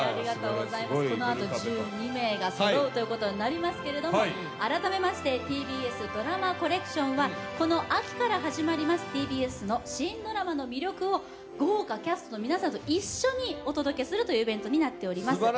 このあと１２名がそろうことになりますけれども、改めまして「ＴＢＳＤＲＡＭＡＣＯＬＬＥＣＴＩＯＮ」はこの秋から始まりますＴＢＳの新ドラマの魅力を豪華キャストの皆さんと一緒にお届けするイベントになっています。